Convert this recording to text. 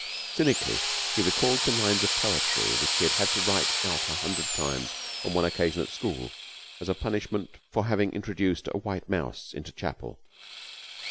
Cynically, he recalled some lines of poetry which he had had to write out a hundred times on one occasion at school as a punishment for having introduced a white mouse into chapel.